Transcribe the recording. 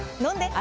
あ